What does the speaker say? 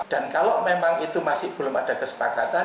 dan kalau memang itu masih belum ada kesepakatan